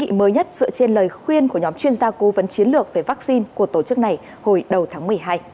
thông tin mới nhất dựa trên lời khuyên của nhóm chuyên gia cố vấn chiến lược về vaccine của tổ chức này hồi đầu tháng một mươi hai